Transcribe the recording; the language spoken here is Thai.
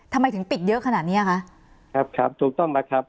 ทำไมถึงปิดเยอะขนาดเนี้ยคะครับครับถูกต้องแล้วครับ